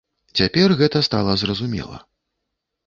Цяпер гэта стала зразумела.